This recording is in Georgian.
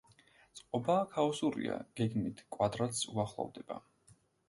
წყობა ქაოსურია; გეგმით კვადრატს უახლოვდება.